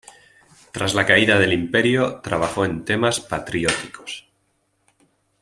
Tras la caída del Imperio, trabajó en temas patrióticos.